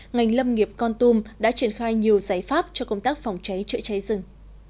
ngành lâm nghiệp con tum đã triển khai nhiều giải pháp cho công tác phòng cháy chữa cháy rừng